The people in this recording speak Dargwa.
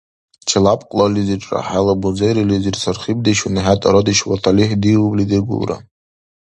Челябкьлализирра хӀела бузерилизир сархибдешуни, хӀед арадеш ва талихӀ диубли дигулра.